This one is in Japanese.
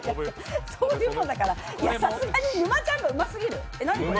そういうもんだから、あ、沼ちゃんがうますぎる！